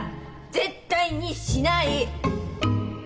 絶対にしない！